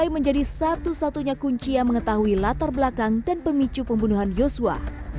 menjadi satu satunya kunci yang mengetahui latar belakang dan pemicu pembunuhan yosua